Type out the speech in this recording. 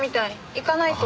行かないと。